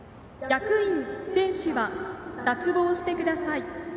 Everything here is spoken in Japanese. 役員、選手は脱帽してください。